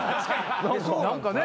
何かね。